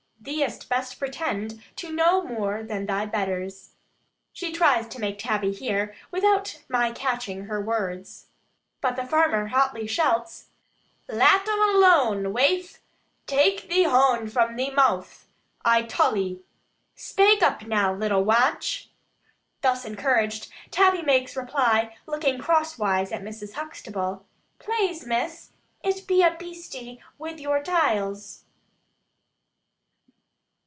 "Thee'dst best pretend to know more than thy betters." She tries to make Tabby hear, without my catching her words. But the farmer hotly shouts, "Lat un alo un, waife. Tak thee hon from thee mouth, I tull 'e. Spak up now, little wanch." Thus encouraged, Tabby makes reply, looking cross wise at Mrs. Huxtable. "Plase, Miss, it be a beastie wi vour taials."